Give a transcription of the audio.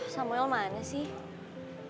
samuel mana sih